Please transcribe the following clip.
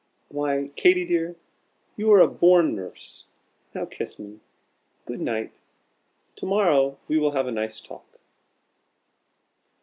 Why, Katy dear, you are a born nurse Now kiss me. Good night! To morrow we will have a nice talk."